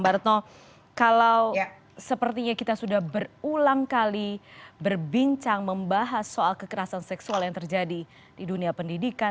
mbak retno kalau sepertinya kita sudah berulang kali berbincang membahas soal kekerasan seksual yang terjadi di dunia pendidikan